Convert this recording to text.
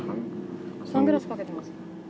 サングラスかけています。